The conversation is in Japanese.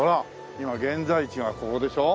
今現在地がここでしょ？